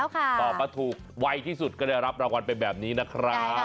ตอบมาถูกไวที่สุดก็ได้รับรางวัลไปแบบนี้นะครับ